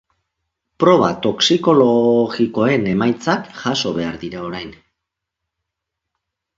Proba toxikologikoen emaitzak jaso behar dira orain.